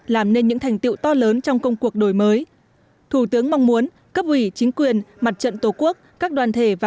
làm nên những thành tiệu to lớn trong công cuộc đổi mới